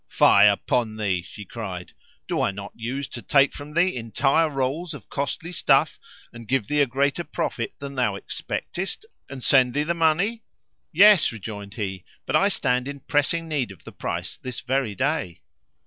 "Fie upon thee!" she cried, "Do I not use to take from thee entire rolls of costly stuff, and give thee a greater profit than thou expectest, and send thee the money?" "Yes," rejoined he; "but I stand in pressing need of the price this very day."